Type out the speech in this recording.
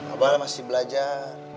abah masih belajar